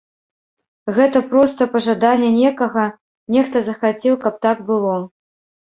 Гэта проста пажаданне некага, нехта захацеў, каб так было.